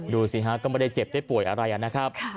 ดูสิฮะก็ไม่ได้เจ็บได้ป่วยอะไรนะครับ